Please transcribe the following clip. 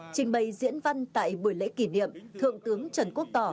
trình bày diễn văn tại buổi lễ kỷ niệm thượng tướng trần quốc tỏ